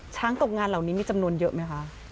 ตกงานเหล่านี้มีจำนวนเยอะไหมคะ